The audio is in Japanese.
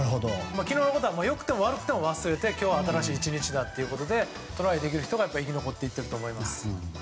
昨日のことは良くても悪くても忘れて今日は新しい１日だということでトライできる人が生き残っていると思います。